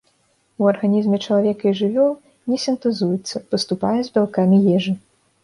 У арганізме чалавека і жывёл не сінтэзуецца, паступае з бялкамі ежы.